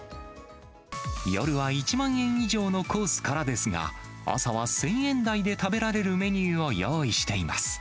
夜は１万円以上のコースからですが、朝は１０００円台で食べられるメニューを用意しています。